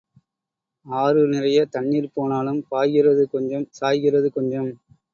ஆறு நிறையத் தண்ணீர் போனாலும் பாய்கிறது கொஞ்சம், சாய்கிறது கொஞ்சம்.